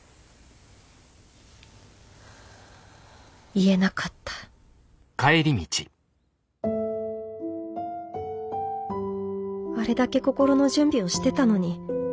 言えなかったあれだけ心の準備をしてたのに。